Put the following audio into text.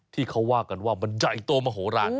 ที่เขาว่ากันว่ามันใหญ่โตมโหลาน